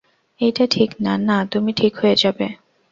এইটা ঠিক না - না, তুমি ঠিক হয়ে যাবে।